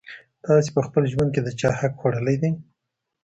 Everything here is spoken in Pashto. تاسي په خپل ژوند کي د چا حق خوړلی دی؟